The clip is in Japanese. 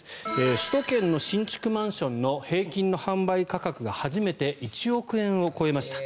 首都圏の新築マンションの平均の販売価格が初めて１億円を超えました。